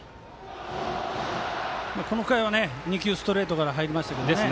この回は２球ストレートから入りましたね。